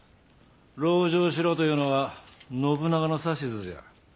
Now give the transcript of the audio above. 籠城しろというのは信長の指図じゃ。